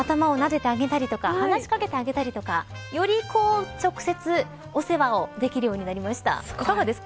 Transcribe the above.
頭をなでてあげたり話し掛けてあげたりとかより、直接お世話をできるようになりました。